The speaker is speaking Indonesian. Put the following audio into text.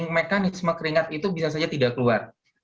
mekanisme keringat itu bisa saja tidak keluar